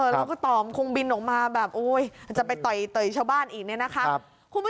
แล้วก็ตอบคงบินออกมาแบบจะไปเต่าชาวบ้านอีกเนี่ยนะครับ